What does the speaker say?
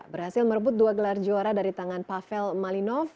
berhasil merebut dua gelar juara dari tangan pavel malinov